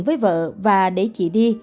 với vợ và để chị đi